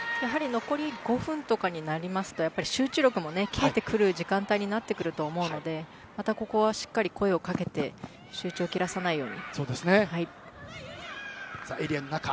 残り５分とかになると集中力も切れてくる時間帯になってくると思うのでまたここはしっかりと声をかけて集中を切らさないように。